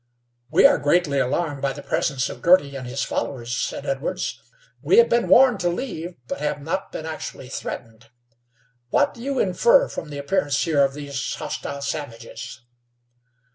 "We are greatly alarmed by the presence of Girty and his followers," said Edwards. "We have been warned to leave, but have not been actually threatened. What do you infer from the appearance here of these hostile savages?"